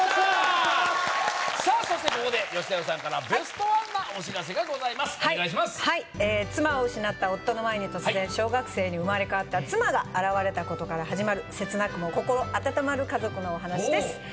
はい妻を失った夫の前に突然小学生に生まれ変わった妻が現れたことから始まる切なくも心温まる家族のお話です